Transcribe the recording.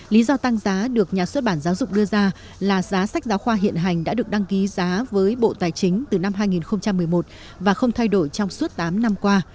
lý do tăng giá được nhà xuất bản giáo dục đưa ra là giá sách giáo khoa hiện hành đã được đăng ký giá với bộ tài chính từ năm hai nghìn một mươi một và không thay đổi trong suốt tám năm qua